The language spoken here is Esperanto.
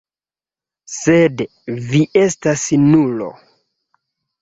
Sed vi estas nulo.